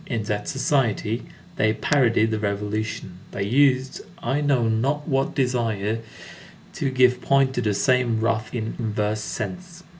In that society, they parodied the Revolution. They used I know not what desires to give point to the same wrath in inverse sense.